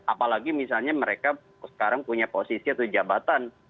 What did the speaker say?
apalagi misalnya mereka sekarang punya posisi atau jabatan